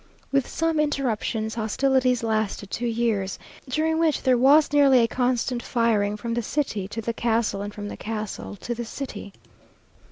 With some interruptions, hostilities lasted two years, during which there was nearly a constant firing from the city to the castle, and from the castle to the city.